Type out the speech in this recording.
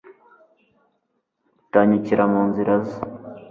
utanyukira mu nzira ze